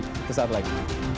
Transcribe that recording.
sampai saat lagi